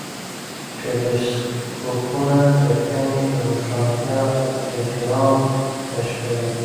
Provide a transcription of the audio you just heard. ټیلېسکوپونه د کمې روښانتیا اجرام کشفوي.